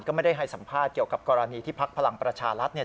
ก็ไม่ได้ให้สัมภาษณ์เกี่ยวกับกรณีที่พักพลังประชารัฐเนี่ย